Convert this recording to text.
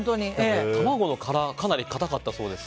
卵の殻がかなり硬かったそうです。